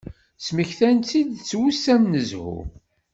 Smektan-tt-id s wussan n zzhu.